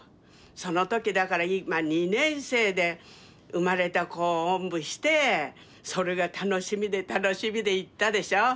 その時だからまあ２年生で生まれた子をおんぶしてそれが楽しみで楽しみで行ったでしょ。